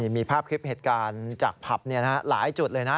มีภาพคลิปเหตุการณ์จากผับหลายจุดเลยนะ